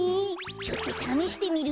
ちょっとためしてみるよ。